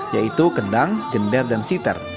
yaitu kendang gender dan siter